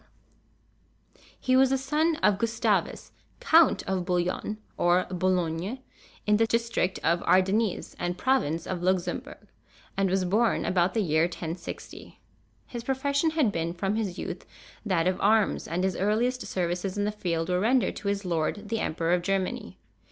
[TN]] He was the son of Gustavus, Count of Bouillon, or Boulogne, in the district of Ardennes and province of Luxembourg, and was born about the year 1060. His profession had been from his youth that of arms, and his earliest services in the field were rendered to his lord, the Emperor of Germany.